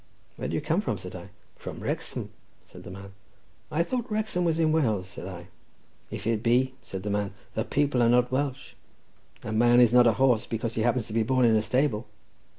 "Where do you come from?" said I. "From Wrexham," said the man. "I thought Wrexham was in Wales," said I. "If it be," said the man, "the people are not Welsh; a man is not a horse because he happens to be born in a stable."